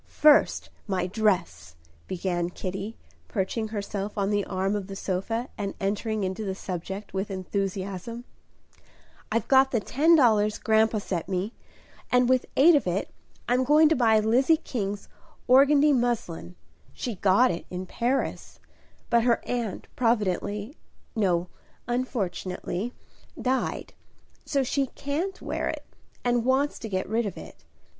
"First, my dress," began Kitty, perching herself on the arm of the sofa, and entering into the subject with enthusiasm. "I've got the ten dollars grandpa sent me, and with eight of it I'm going to buy Lizzie King's organdie muslin. She got it in Paris; but her aunt providentially no, unfortunately died; so she can't wear it, and wants to get rid of it.